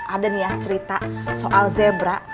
ada nih ya cerita soal zebra